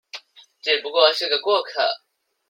只不過是個過客